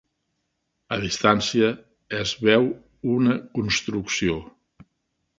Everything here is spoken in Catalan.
A distància es veu una construcció.